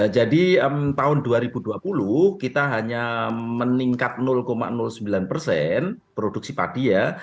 jadi tahun dua ribu dua puluh kita hanya meningkat sembilan persen produksi padi ya